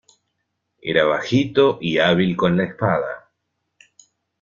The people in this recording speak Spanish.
Era bajito y hábil con la espada.